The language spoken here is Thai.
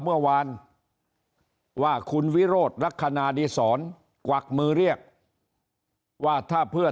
เมื่อวานว่าคุณวิโรธลักษณะดีศรกวักมือเรียกว่าถ้าเพื่อ